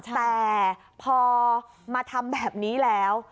แต่พอมาทำแบบนี้แล้ว